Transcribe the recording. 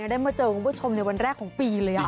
ได้มาเจอคุณผู้ชมในวันแรกของปีเลย